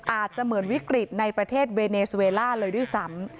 อาจจะเหมือนวิกฤตในประเทศเวเนสเวล่าเลยด้วยซ้ำ